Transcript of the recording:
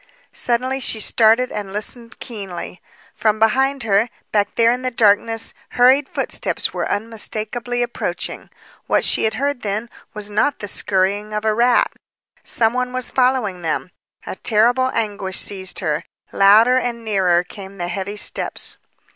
Suddenly she started and listened keenly. From behind her, back there in the darkness, hurried footsteps were unmistakably approaching. What she had heard, then, was not the scurrying of a rat. Some one was following them. A terrible anguish seized her. Louder and nearer came the heavy steps.